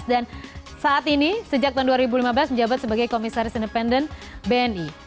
dan saat ini sejak tahun dua ribu lima belas menjabat sebagai komisaris independen bni